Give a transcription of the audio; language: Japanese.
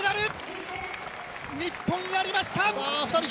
日本、やりました！